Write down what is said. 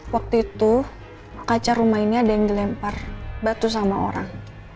waktu itu kaca rumah ini ada yang dilempar batu sama orang